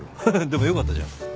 でもよかったじゃん。